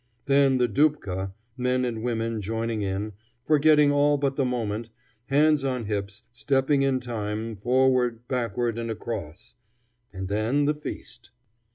Then the dupka, men and women joining in, forgetting all but the moment, hands on hips, stepping in time, forward, backward, and across. And then the feast.